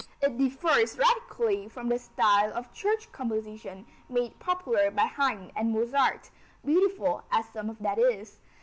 It differs radically from the style of church composition made popular by Haydn and Mozart, beautiful as some of that is.